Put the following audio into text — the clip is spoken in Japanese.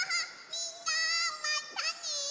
みんなまたね！